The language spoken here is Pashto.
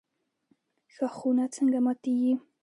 ښاخونه څنګه ماتیږي؟